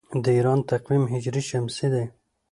د ایران تقویم هجري شمسي دی.